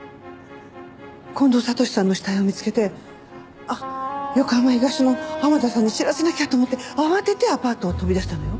近藤悟史さんの死体を見つけてあっ横浜東署の浜田さんに知らせなきゃ！と思って慌ててアパートを飛び出したのよ。